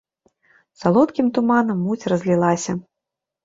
Салодкім туманам муць разлілася.